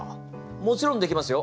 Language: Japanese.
もちろんできますよ。